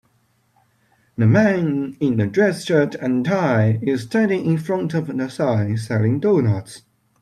A man in a dress shirt and tie is standing in front of a sign selling donuts.